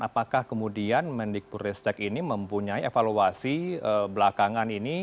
apakah kemudian mendik puristek ini mempunyai evaluasi belakangan ini